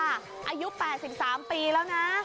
อายุ๘๓ปีแล้วนะ